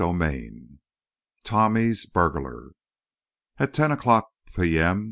XIX TOMMY'S BURGLAR At ten o'clock P. M.